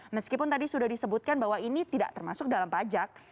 meskipun tadi sudah disebutkan bahwa ini tidak termasuk dalam pajak